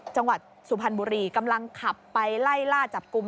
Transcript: จังหวัดสุพรรณบุรีกำลังขับไปไล่ล่าจับกลุ่ม